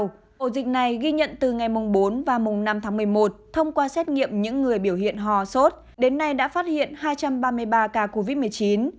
trong ổ dịch này ghi nhận từ ngày bốn và năm tháng một mươi một thông qua xét nghiệm những người biểu hiện hò sốt đến nay đã phát hiện hai trăm ba mươi ba ca covid một mươi chín